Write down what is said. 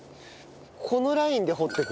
このラインで掘っていく。